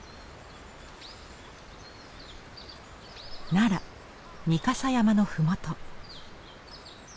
奈良御蓋山の麓。